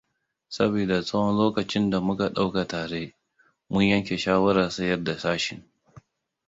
Sabida tsahon lokacin da muka ɗauka tare, mun yanke shawarar sayar da sashin.